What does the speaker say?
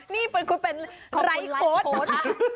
นี่เป็นคนเป็นไร้โค้ด